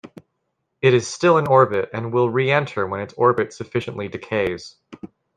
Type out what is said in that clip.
It is still in orbit, and will reenter when its orbit sufficiently decays.